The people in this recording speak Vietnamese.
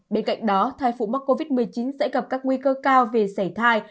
bên cạnh đó thai phụ mắc covid một mươi chín sẽ gặp các nguy cơ cao về xảy thai